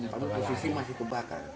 pada posisi masih terbakar